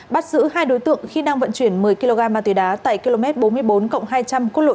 bắt giữ hai đối tượng khi đang vận chuyển một mươi kg ma túy đá tại km bốn mươi bốn hai trăm linh quốc lộ